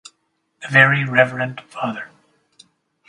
The Very Reverend Fr.